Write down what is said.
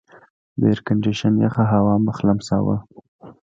د ایرکنډېشن یخه هوا مخ لمساوه.